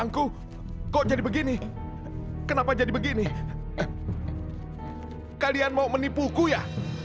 aku kok jadi begini kenapa jadi begini eh kalian mau menipuku ya